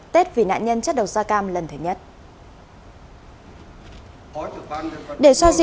tết vì nạn nhân chất độc da cam lần thứ nhất